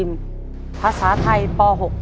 ไอศกรีมภาษาไทยป๖